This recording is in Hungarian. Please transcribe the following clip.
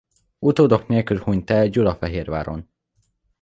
Utódok nélkül hunyt el Gyulafehérváron.